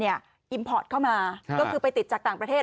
อิมพอร์ตเข้ามาก็คือไปติดจากต่างประเทศ